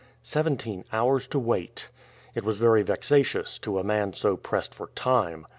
Seventeen hours to wait! It was very vexatious to a man so pressed for time.